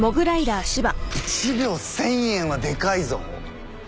１秒１，０００円はでかいぞ。